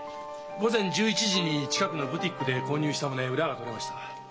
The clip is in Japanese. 午前１１時に近くのブティックで購入した旨裏が取れました。